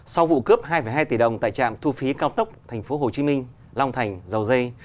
sau vụ cướp hai hai tỷ đồng tại trạm thu phí cao tốc tp hcm long thành dầu dây